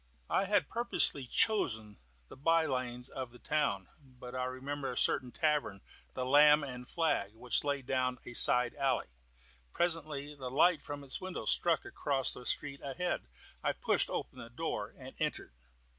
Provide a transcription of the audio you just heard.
I had purposely chosen the by lanes of the town, but I remembered a certain tavern the "Lamb and Flag" which lay down a side alley. Presently the light from its windows struck across the street, ahead. I pushed open the door and entered.